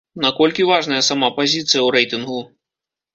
На колькі важная сама пазіцыя ў рэйтынгу?